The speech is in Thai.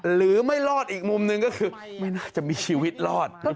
หรือไม่รอดอีกมุมหนึ่งก็คือไม่น่าจะมีชีวิตรอด